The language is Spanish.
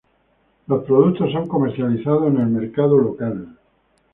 Los productos son comercializados en el mercado local.